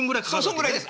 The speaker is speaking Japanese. そんぐらいです